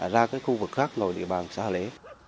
ra cái khu vực khác ngồi địa bàn xã hỏa lễ